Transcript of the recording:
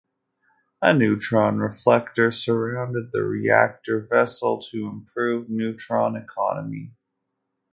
A neutron reflector surrounded the reactor vessel to improve neutron economy.